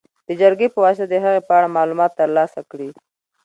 د جرګې په واسطه د هغې په اړه معلومات تر لاسه کړي.